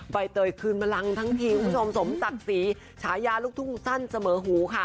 ใบเตยคืนบันลังทั้งทีคุณผู้ชมสมศักดิ์ศรีฉายาลูกทุ่งสั้นเสมอหูค่ะ